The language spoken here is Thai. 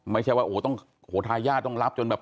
ไม่ใช่ว่าโหทายาทต้องรับจนแบบ